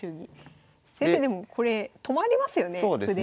先生でもこれ止まりますよね歩で。